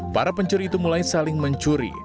para pencuri itu mulai saling mencuri